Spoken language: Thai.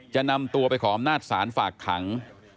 จะนำตัวไปขออำนาจศาลฝากขัง